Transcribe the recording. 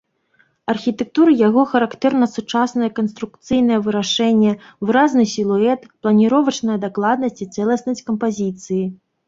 Архітэктуры яго характэрна сучаснае канструкцыйнае вырашэнне, выразны сілуэт, планіровачная дакладнасць і цэласнасць кампазіцыі.